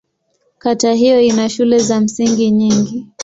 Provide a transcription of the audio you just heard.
Kata hiyo ina shule za msingi nyingi.